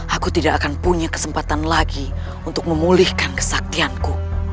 aku tidak akan punya kesempatan lagi untuk memulihkan kesaktianku